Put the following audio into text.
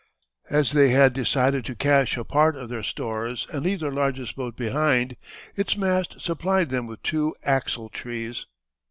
As they had decided to cache a part of their stores and leave their largest boat behind, its mast supplied them with two axle trees.